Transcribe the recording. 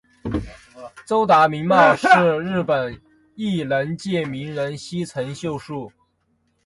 周达明貌似日本艺能界名人西城秀树。